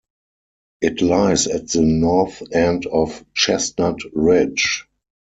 It lies at the north end of Chestnut Ridge.